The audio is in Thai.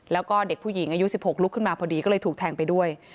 แล้วก็เด็กผู้หญิงอายุ๑๖ลุกขึ้นมาพอดีก็เลยถูกแทงไปด้วย